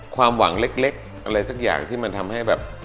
ความหวังเล็กอะไรสักอย่างที่มันทำให้แบบ